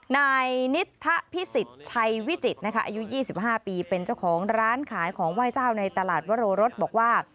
นายนิทธพิสิทธิ์ชัยวิจิตรนะคะอายุ๒๕ปีเป็นเจ้าของร้านขายของไหว้เจ้าในตลาดวโรรสบอกว่า